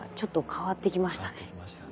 変わってきましたね。